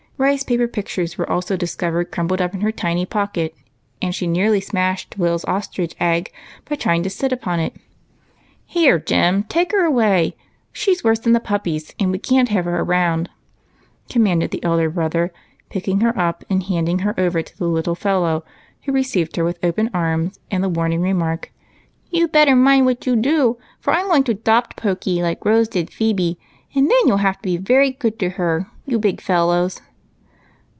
Rice j^aper pictures were also discov ered crumpled up in her tiny pocket, and she nearly smashed Will's ostrich Q^g by trying to sit upon it. " Here, Jim, take her away ; she 's worse than the puppies, and we can't have her round," commanded the elder brother, jDicking her up and handing her over to the little fellow, who received her with oj^en arms and the warning remark, —" You 'd better mind what you do, for I 'm going to 'dopt Pokey like Rose did Phebe, and then you'll have to be very good to her, you big fellows."